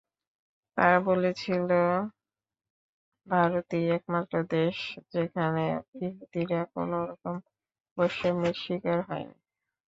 তারা বলেছিল, ভারতই একমাত্র দেশ, যেখানে ইহুদিরা কোনো রকম বৈষম্যের শিকার হয়নি।